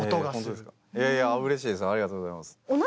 いやいやうれしいですありがとうございます。